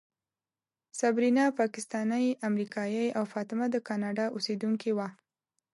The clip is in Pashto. صبرینا پاکستانۍ امریکایۍ او فاطمه د کاناډا اوسېدونکې وه.